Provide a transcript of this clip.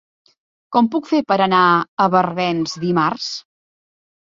Com ho puc fer per anar a Barbens dimarts?